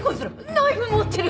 ナイフ持ってる！